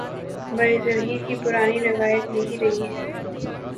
برصغیر کی پرانی روایت یہی رہی ہے۔